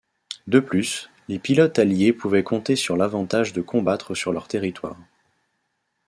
De plus, les pilotes alliés pouvaient compter sur l’avantage de combattre sur leur territoire.